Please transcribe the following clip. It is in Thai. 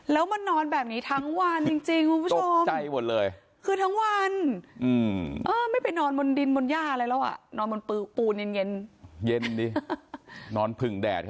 แล้วมันนอนแบบนี้ทั้งวันจริง